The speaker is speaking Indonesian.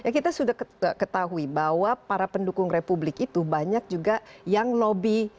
kita sudah ketahui bahwa para pendukung republik itu banyak juga yang lobby